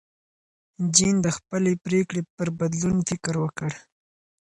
جین د خپلې پرېکړې پر بدلون فکر وکړ.